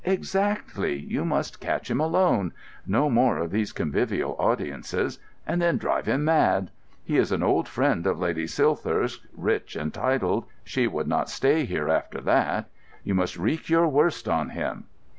"Exactly. You must catch him alone—no more of these convivial audiences—and then drive him mad. He is an old friend of Lady Silthirsk, rich and titled; she would not stay here after that. You must wreak your worst on him."